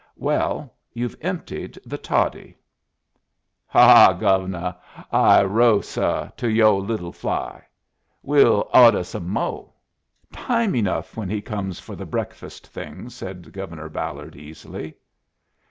"Well, you've emptied the toddy." "Ha ha, Gove'nuh! I rose, suh, to yoh little fly. We'll awduh some mo'." "Time enough when he comes for the breakfast things," said Governor Ballard, easily.